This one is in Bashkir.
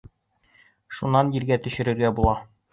Шунан ергә төшөргә була.